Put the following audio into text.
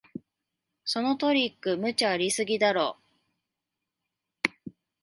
そのトリック、無茶ありすぎだろ